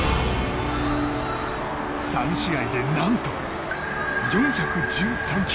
３試合で何と４１３球。